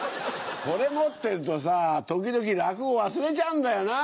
これ持ってるとさ時々落語忘れちゃうんだよな。